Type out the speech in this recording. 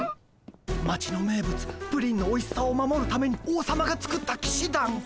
町の名物プリンのおいしさを守るために王様が作ったきしだん。